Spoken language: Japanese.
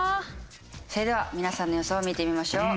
それでは皆さんの予想を見てみましょう。